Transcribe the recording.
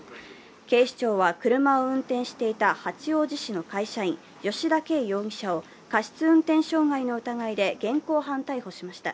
警視庁は車を運転していた八王子市の会社員・吉田渓容疑者を過失運転障害の疑いで現行犯逮捕しました。